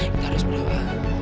kita harus berdoa